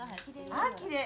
ああきれい！